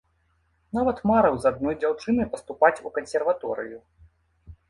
Нават марыў з адной дзяўчынай паступаць у кансерваторыю.